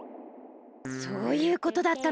そういうことだったのか。